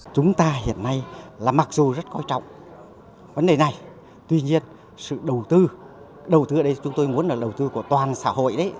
chúng ta hiện nay là mặc dù rất quan trọng vấn đề này tuy nhiên sự đầu tư đầu tư ở đây chúng tôi muốn là đầu tư của toàn xã hội đấy